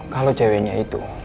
kalau ceweknya itu